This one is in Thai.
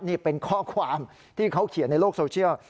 นี่เป็นข้อความที่เขาเขียนในโลกโซเชียล